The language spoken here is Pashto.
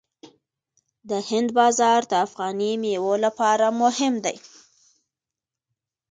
د هند بازار د افغاني میوو لپاره مهم دی.